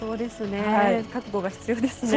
覚悟が必要ですね。